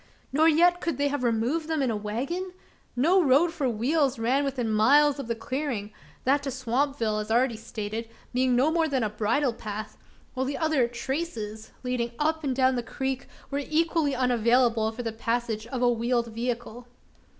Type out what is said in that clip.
Nor yet could they have removed them in a wagon? No road for wheels ran within miles of the clearing that to Swampville, as already stated, being no more than a bridle path; while the other "traces," leading up and down the creek, were equally unavailable for the passage of a wheeled vehicle.